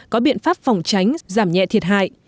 có biện pháp phòng tránh giảm nhẹ thiệt hại